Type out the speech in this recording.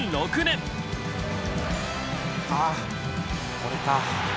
これか。